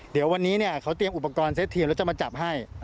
เดี๋ยววันนี้เขาเตรียมอุปกรณ์เซ็มแล้วจะมาจับให้